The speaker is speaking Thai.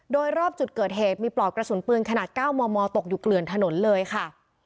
โดยรอบจุดเกิดเหตุมีปลอกกระสุนปืนขนาด๙มมตกอยู่เกลือนถนนเลยค่ะ